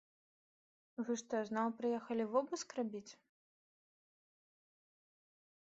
Вы што, зноў прыехалі вобыск рабіць?